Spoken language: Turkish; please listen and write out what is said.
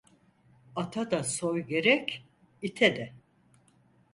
Ata da soy gerek, ite de.